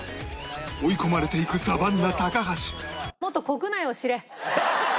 追い込まれていくサバンナ高橋